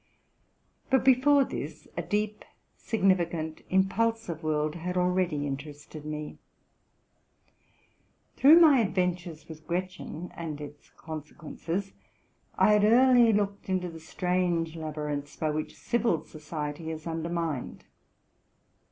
But, before this, a deep, significant, impulsive world had already interested me. Through my adventure with Gretchen and its consequences, I had early looked into the strange labyrinths by which civil society is undermined.